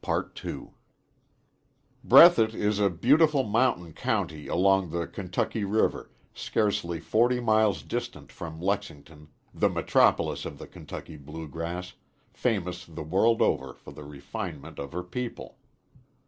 Breathitt is a beautiful mountain county along the Kentucky River, scarcely forty miles distant from Lexington, the metropolis of the Kentucky Bluegrass, famous the world over for the refinement of her people.